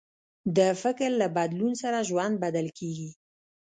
د فکر له بدلون سره ژوند بدل کېږي.